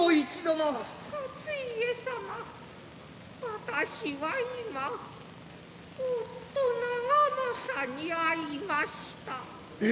私は今夫長政に会いました。